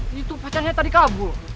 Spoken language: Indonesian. ini tuh pacarnya tadi kabur